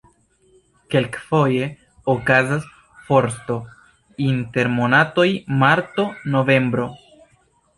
Kelkfoje okazas forsto inter monatoj marto-novembro.